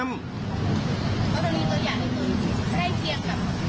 เพราะว่ามีตัวอย่างไม่เทียงกับการสัมผัส